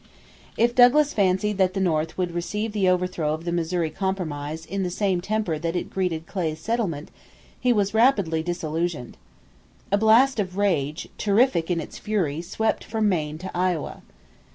If Douglas fancied that the North would receive the overthrow of the Missouri Compromise in the same temper that it greeted Clay's settlement, he was rapidly disillusioned. A blast of rage, terrific in its fury, swept from Maine to Iowa.